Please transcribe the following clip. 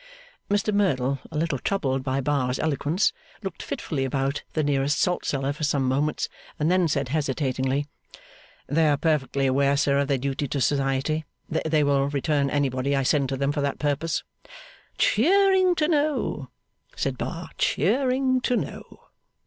Mr Merdle, a little troubled by Bar's eloquence, looked fitfully about the nearest salt cellar for some moments, and then said hesitating: 'They are perfectly aware, sir, of their duty to Society. They will return anybody I send to them for that purpose.' 'Cheering to know,' said Bar. 'Cheering to know.